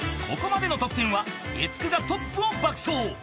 ［ここまでの得点は月９がトップを爆走］